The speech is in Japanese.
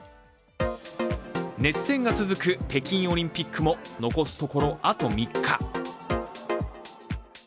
熱戦が続く北京オリンピックも残すところあと３日。